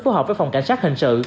phối hợp với phòng cảnh sát hình sự